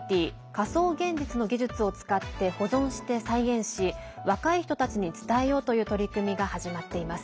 仮想現実の技術を使って保存して再現し、若い人たちに伝えようという取り組みが始まっています。